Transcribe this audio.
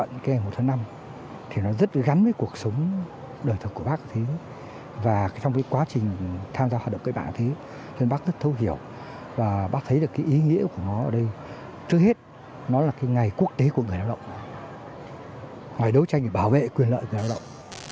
ngoài đấu tranh để bảo vệ quyền lợi người lao động